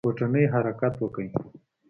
کوټنۍ حرکت وکړ.